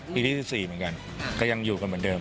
ปีที่๑๔เหมือนกันก็ยังอยู่กันเหมือนเดิม